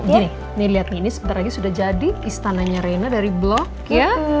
gini nih lihat nih ini sebentar lagi sudah jadi istananya reina dari blok ya